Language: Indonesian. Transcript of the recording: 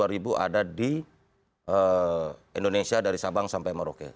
dua ribu ada di indonesia dari sabang sampai merauke